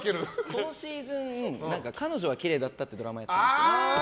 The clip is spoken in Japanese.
このシーズン「彼女はきれいだった」っていうドラマをやってたんですよ。